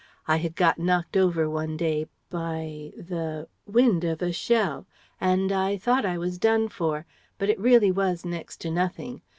I had got knocked over one day by the wind of a shell and thought I was done for, but it really was next to nothing.